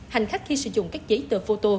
hành khách khi sử dụng các giấy tờ photo